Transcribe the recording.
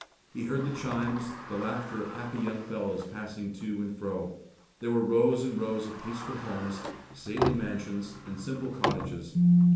He heard the chimes, the laughter of happy young fellows passing to and fro. There were rows and rows of peaceful homes, stately mansions and simple cottages.